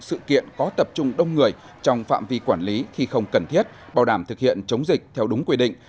sự kiện có tập trung đông người trong phạm vi quản lý khi không cần thiết bảo đảm thực hiện chống dịch theo đúng quy định